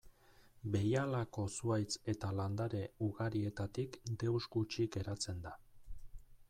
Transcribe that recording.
Behialako zuhaitz eta landare ugarietatik deus gutxi geratzen da.